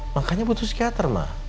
makanya butuh psikiater mah